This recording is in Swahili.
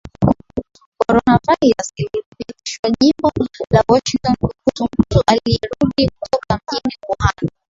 Coronavirus ilithibitishwa jimbo la Washington kuhusu mtu aliyerudi kutoka mjini Wuhan